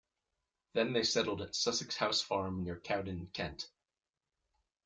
Then they settled at Sussex House Farm near Cowden, Kent.